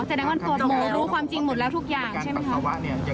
แสดงว่าตัวเรารู้ความจริงหมดแล้วทุกอย่างใช่ไหมคะ